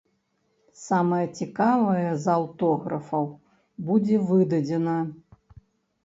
Самае цікавае з аўтографаў будзе выдадзена.